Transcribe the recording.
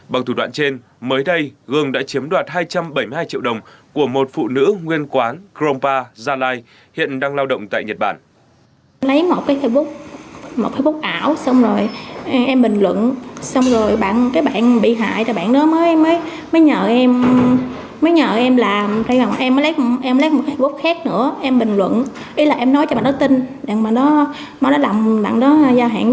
bằng thủ đoạn trên mới đây gương đã chiếm đoạt hai trăm bảy mươi hai triệu đồng của một phụ nữ nguyên quán grompa gia lai hiện đang lao động tại nhật bản